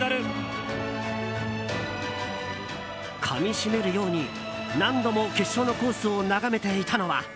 かみしめるように何度も決勝のコースを眺めていたのは。